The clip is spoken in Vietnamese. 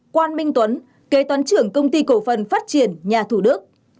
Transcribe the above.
quan minh tuấn kế toán trưởng công ty cổ phần phát triển nhà thủ đức